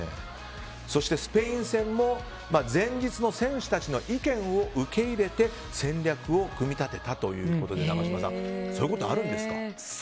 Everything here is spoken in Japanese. そしてスペイン戦も前日の選手たちの意見を受け入れて戦略を組み立てたということで永島さんそういうこと、あるんですか。